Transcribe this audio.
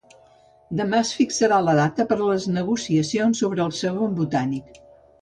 Demà es fixarà la data per a les negociacions sobre el segon Botànic.